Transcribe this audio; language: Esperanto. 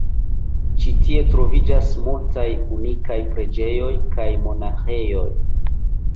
Ĉi tie troviĝas multaj unikaj preĝejoj kaj monaĥejoj.